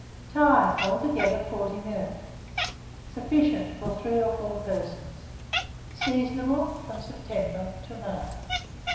Time. Altogether 40 minutes. Sufficient for 3 or 4 persons. Seasonable from September to March.